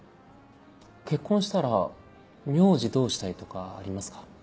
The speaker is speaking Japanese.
結婚したら名字どうしたいとかありますか？